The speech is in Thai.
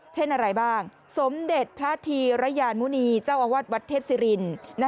เช่นอะไรบ้างสมเด็จพระธีรยานมุณีเจ้าอาวาสวัดเทพศิริน